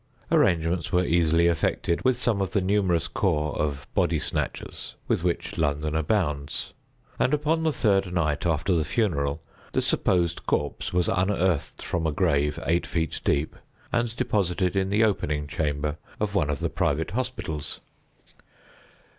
Arrangements were easily effected with some of the numerous corps of body snatchers, with which London abounds; and, upon the third night after the funeral, the supposed corpse was unearthed from a grave eight feet deep, and deposited in the opening chamber of one of the private hospitals.